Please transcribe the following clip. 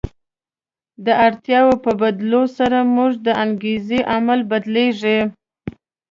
د اړتیاوو په بدلېدو سره زموږ د انګېزې عامل بدلیږي.